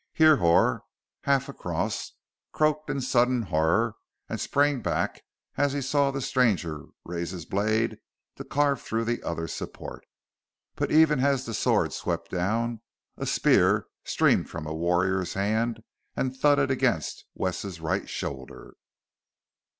Hrihor, half across, croaked in sudden horror and sprang back as he saw the stranger raise his blade to carve through the other support. But even as the sword swept down a spear streamed from a warrior's hand and thudded against Wes's right shoulder.